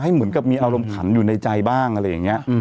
เหมือนกับมีอารมณ์ขันอยู่ในใจบ้างอะไรอย่างนี้